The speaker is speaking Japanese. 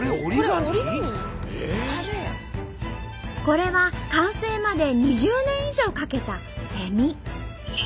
これは完成まで２０年以上かけた「セミ」。